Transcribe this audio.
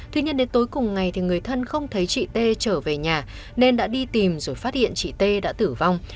tuy nhiên đến tối cùng ngày người thân không thấy chị tê trở về nhà nên đã đi tìm rồi phát hiện chị tê đã tử vong